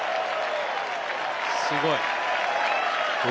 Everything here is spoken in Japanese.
すごい。